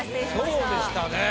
そうでしたね。